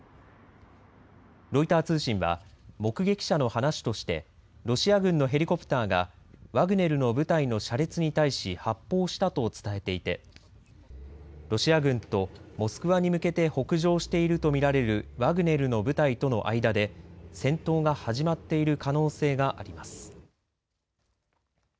ロイター通信は目撃者の話としてロシア軍のヘリコプターがワグネルの部隊の車列に対し発砲したと伝えていてロシア軍とモスクワに向けて北上していると見られるワグネルの部隊との間で戦闘が始まっている可能性があります。